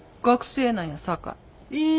学生なんやさかい。